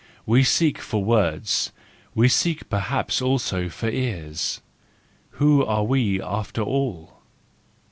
We seek for words; we seek perhaps also for ears. Who are we after all